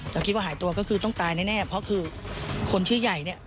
เราคิดว่าหายตัวจะต้องตายแน่เพราะคือคนชื่อใหญ่